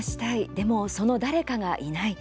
でも、その誰かがいない。